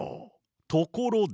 ところで。